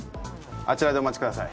あちらでお待ちください